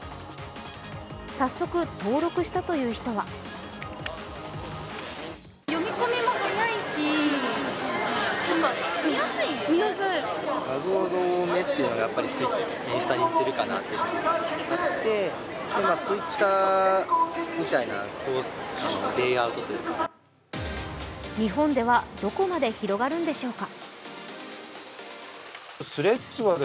早速、登録したという人は日本ではどこまで広がるのでしょうか。